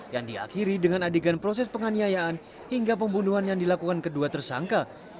yang diakhiri dengan adegan proses penganiayaan hingga pembunuhan yang dilakukan kedua tersangka